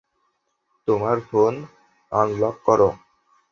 তোমার phone, unlock করো।